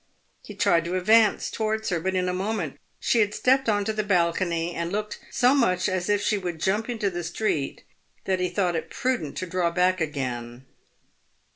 He tried to advance towards her, but in a moment she had stepped on to the balcony, and looked so much as if she would jump into the street that he thought it prudent to draw back again.